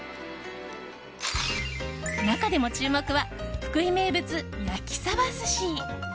中でも注目は福井名物、焼き鯖すし。